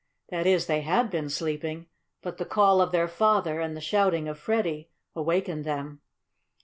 That is, they had been sleeping, but the call of their father, and the shouting of Freddie, awakened them.